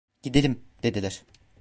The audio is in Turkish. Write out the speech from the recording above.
"Gidelim!" dediler.